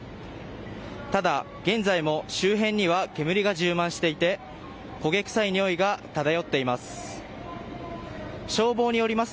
ただ、現在も周辺には煙が充満していて焦げ臭いにおいが漂っています。